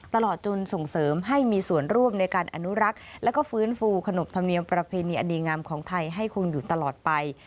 ตลอดจนส่งเสริมให้มีส่วนร่วมในการอนุรักษ์และฟื้นฟูขนบธรรมเนียมประเพณีอดีงามของไทยให้คงอยู่ตลอดไป